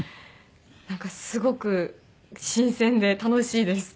なんかすごく新鮮で楽しいです。